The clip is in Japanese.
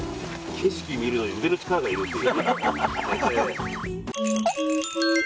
景色見るのに腕の力がいるっていう。